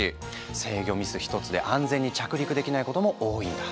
制御ミス一つで安全に着陸できないことも多いんだ。